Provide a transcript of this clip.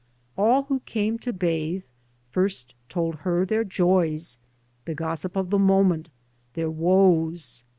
All who came to bathe first told her their joys, the gossip of the moment, their woes.